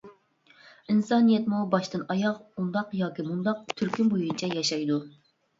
ئىنسانىيەتمۇ باشتىن-ئاياغ ئۇنداق ياكى مۇنداق تۈركۈم بويىچە ياشايدۇ.